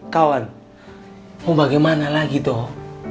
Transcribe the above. kawan mau bagaimana lagi tuh